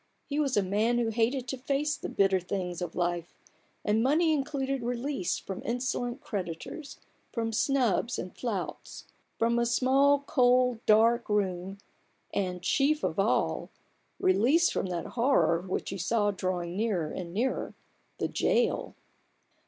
He was a man who hated to face the bitter things of life : and money included release from insolent creditors, from snubs and flouts, from a small, cold, dark room, and, chief of all ! release from that horror which he saw drawing nearer and nearer : the gaol.